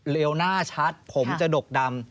เลวหน้าชัดผมจะดกดำ